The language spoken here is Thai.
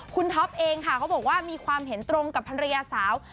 คุณท็อปเองค่ะเขาบอกว่ามีความเห็นตรงกับภรรยาสาว